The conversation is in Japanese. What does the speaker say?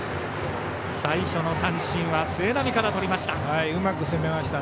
最初の三振は末浪からとりました。